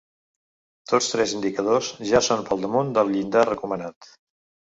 Tots tres indicadors ja són per damunt del llindar recomanat.